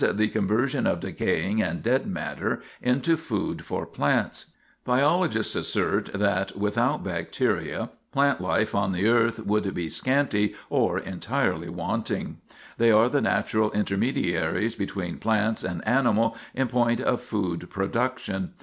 the conversion of decaying and dead matter into food for plants. Biologists assert that without bacteria plant life on the earth would be scanty or entirely wanting; they are the natural intermediaries between plants and animal in point of food production.